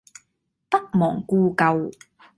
不忘故舊